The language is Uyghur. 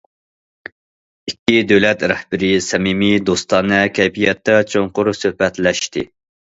ئىككى دۆلەت رەھبىرى سەمىمىي، دوستانە كەيپىياتتا چوڭقۇر سۆھبەتلەشتى.